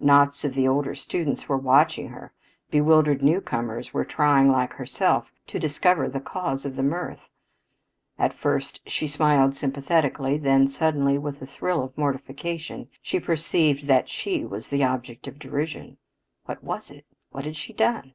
Knots of the older students were watching her; bewildered newcomers were trying, like herself, to discover the cause of mirth. At first she smiled sympathetically; then suddenly, with a thrill of mortification, she perceived that she was the object of derision. What was it? What had she done?